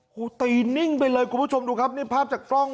โอ้โหตีนิ่งไปเลยคุณผู้ชมดูครับนี่ภาพจากกล้อง